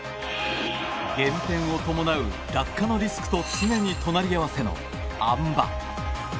減点を伴う落下のリスクと常に隣り合わせのあん馬。